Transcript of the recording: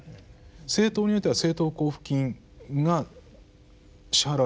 政党においては政党交付金が支払われてる。